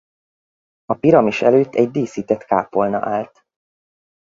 A piramis előtt egy díszített kápolna állt.